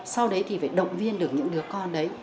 sau đấy thì phải động viên được những đứa con đấy